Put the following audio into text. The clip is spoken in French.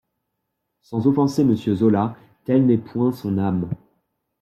Sans offenser Monsieur Zola, telle n'est point son âme.